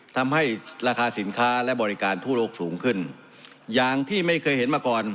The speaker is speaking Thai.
ทำให้ราคาสินค้าและบริการทั่วโลกสูงขึ้นอย่างที่ไม่เคยเห็นมาก่อน